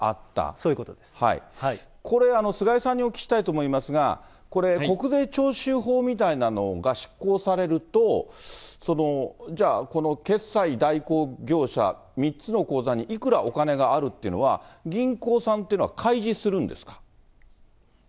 これ、菅井さんにお聞きしたいと思いますが、これ国税徴収法みたいのが執行されると、じゃあ、この決済代行業者、３つの口座にいくらお金があるっていうのは、銀行さんというのは、開示するんですか。